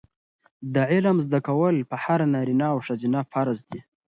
د علم زده کول په هر نارینه او ښځینه فرض دي.